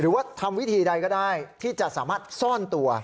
หรือว่าทำวิธีใดก็ได้ที่จะสามารถซ่อนตัว